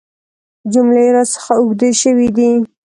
جملې راڅخه اوږدې شوي دي .